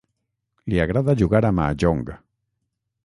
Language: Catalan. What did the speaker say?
Li agrada jugar a mahjong.